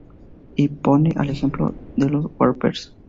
Y pone al ejemplo de los huarpes.